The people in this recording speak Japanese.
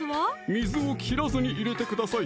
水を切らずに入れてください